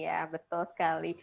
iya betul sekali